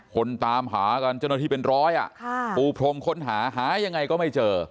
ตามหากันเจ้าหน้าที่เป็นร้อยปูพรมค้นหาหายังไงก็ไม่เจอ